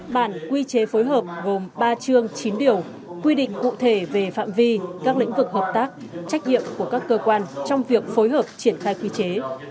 bản quy chế phối hợp gồm ba chương chín điều quy định cụ thể về phạm vi các lĩnh vực hợp tác trách nhiệm của các cơ quan trong việc phối hợp triển khai quy chế